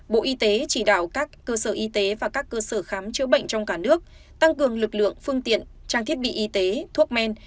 bộ y tế chỉ đạo các cơ sở y tế và các cơ sở khám chữa bệnh trong cả nước tăng cường lực lượng phương tiện trang thiết bị y tế thuốc men